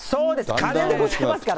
家電でございますから。